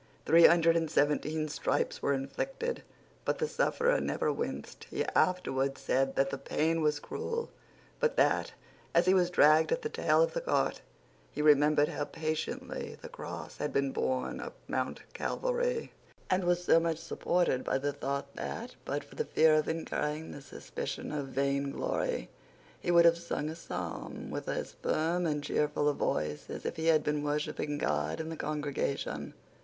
Three hundred and seventeen stripes were inflicted; but the sufferer never winced. He afterwards said that the pain was cruel, but that, as he was dragged at the tail of the cart, he remembered how patiently the cross had been borne up Mount Calvary, and was so much supported by the thought that, but for the fear of incurring the suspicion of vain glory, he would have sung a psalm with as firm and cheerful a voice as if he had been worshipping God in the congregation.